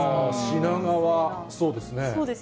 品川、そうですね。